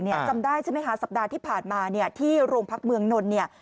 จำได้ใช่ไหมฮะสัปดาห์ที่ผ่านมาที่โรงพักเมืองนนท์